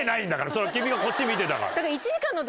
君がこっち見てたから。